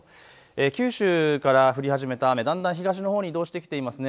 九州から降り始めた雨、だんだん東のほうに移動してきていますね。